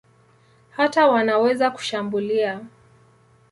Hata wanaweza kushambulia.